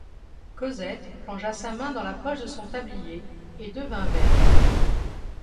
Cosette plongea sa main dans la poche de son tablier, et devint verte.